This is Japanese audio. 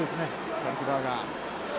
スカルクバーガー。